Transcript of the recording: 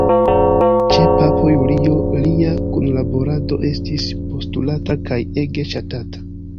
Ĉe papo Julio lia kunlaborado estis postulata kaj ege ŝatata.